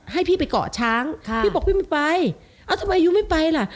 ให้พี่ไปเกาะช้างค่ะพี่บอกพี่ไม่ไปเอ้าทำไมอายุไม่ไปล่ะ